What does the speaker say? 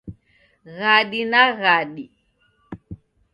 Ghadi na ghadi